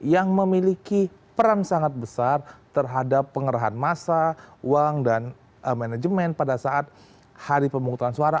yang memiliki peran sangat besar terhadap pengerahan massa uang dan manajemen pada saat hari pemungutan suara